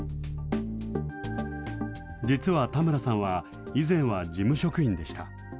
実は田村さんは、以前は事務職員でした。